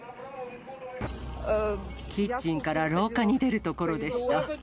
キッチンから廊下に出るところでした。